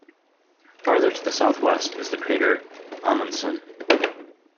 Farther to the southwest is the crater Amundsen.